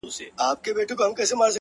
چي ته د چا د حُسن پيل يې ته چا پيدا کړې